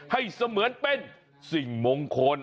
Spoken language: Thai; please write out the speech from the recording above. เสมือนเป็นสิ่งมงคล